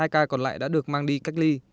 hai ca còn lại đã được mang đi cách ly